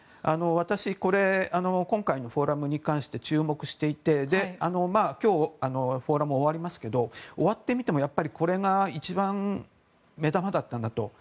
私これ今回のフォーラムに関して注目していて今日、フォーラムが終わりますけど終わってみてもこれが一番目玉だったんだと。